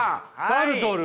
サルトルは。